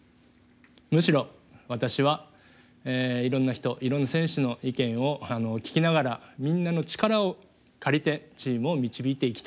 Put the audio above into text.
むしろ私はいろんな人いろんな選手の意見を聞きながらみんなの力を借りてチームを導いていきたい。